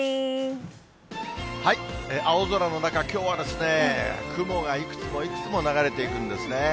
青空の中、きょうはですね、雲がいくつもいくつも流れていくんですね。